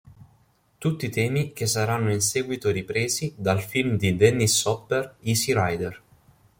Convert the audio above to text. Tutti temi che saranno in seguito ripresi dal film di Dennis Hopper "Easy Rider".